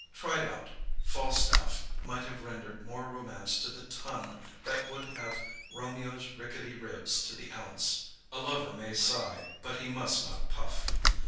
Tried out, Falstaff might have rendered more romance to the ton than would have Romeo's rickety ribs to the ounce. A lover may sigh, but he must not puff.